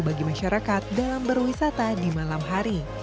bagi masyarakat dalam berwisata di malam hari